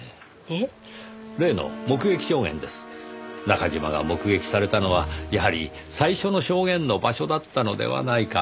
中嶋が目撃されたのはやはり最初の証言の場所だったのではないか。